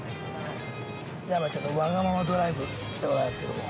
山ちゃんのわがままドライブでございますけども。